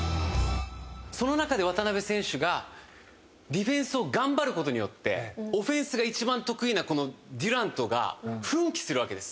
その中で渡邊選手がディフェンスを頑張る事によってオフェンスが一番得意なこのデュラントが奮起するわけです。